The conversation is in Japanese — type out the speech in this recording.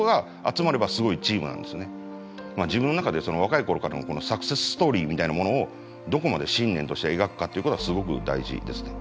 自分の中で若い頃からのサクセスストーリーみたいなものをどこまで信念として描くかっていうことはすごく大事ですね。